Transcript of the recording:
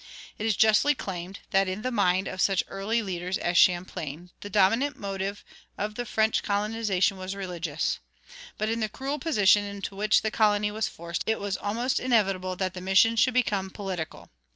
It is justly claimed that in the mind of such early leaders as Champlain the dominant motive of the French colonization was religious; but in the cruel position into which the colony was forced it was almost inevitable that the missions should become political.